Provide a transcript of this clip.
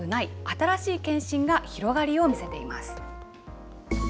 新しい検診が広がりを見せています。